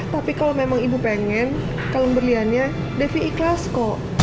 tapi kalau memang ibu pengen kalau berliannya devi ikhlas kok